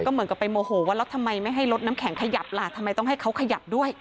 เหมือนกับไปโมโหว่าแล้วทำไมไม่ให้รถน้ำแข็งขยับล่ะทำไมต้องให้เขาขยับด้วย